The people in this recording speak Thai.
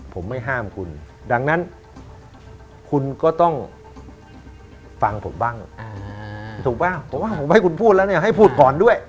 ผมไม่ห้ามคุณดังนั้นคุณก็ต้องฟังผมบ้างถูกป่ะผมว่าผมให้คุณพูดแล้วเนี่ยให้พูดก่อนด้วย